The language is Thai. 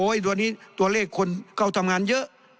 โอ้ยตัวนี้ตัวเลขคนก็ทำงานเยอะ